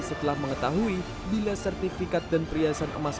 setelah mengetahui bila sertifikat dan perhiasan emas